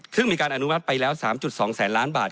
ซึ่งมีการอนุมัติไปแล้ว๓๒แสนล้านบาท